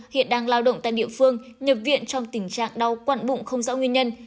hiện đang lao động tại địa phương nhập viện trong tình trạng đau quặn bụng không rõ nguyên nhân